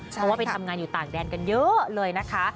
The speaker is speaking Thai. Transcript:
เพราะว่าไปทำงานอยู่ต่างแดนกันเยอะเลยนะคะ